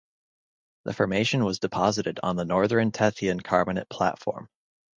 The formation was deposited on the Northern Tethyan Carbonate Platform.